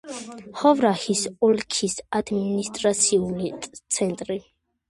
ჰოვრაჰის ოლქის ადმინისტრაციული ცენტრი.